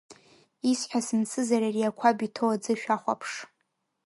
Исҳәаз мцызар ари ақәаб иҭоу аӡы шәахәаԥш!